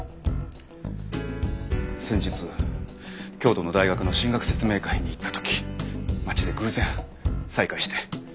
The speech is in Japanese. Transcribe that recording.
先日京都の大学の進学説明会に行った時町で偶然再会して。